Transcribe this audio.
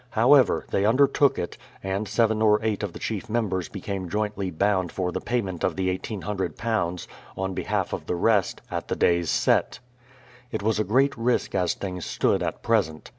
However, they under took it, and seven or eight of the chief members became jointly bound for the payment of the ii8oo, on behalf of the rest, at the days set. It was a great risk as things stood at present.